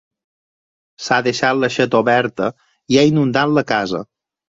S'ha deixat l'aixeta oberta i ha inundat la casa.